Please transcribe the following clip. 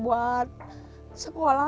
ketua tua mereka berdua